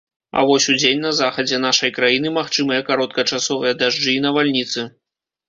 А вось удзень на захадзе нашай краіны магчымыя кароткачасовыя дажджы і навальніцы.